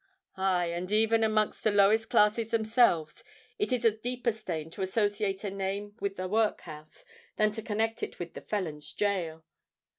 Aye—and even amongst the lowest classes themselves, it is a deeper stain to associate a name with the workhouse, than to connect it with the felons' gaol!